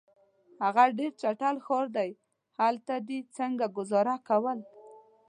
هغه ډېر چټل ښار دی، هلته دي څنګه ګذاره کول؟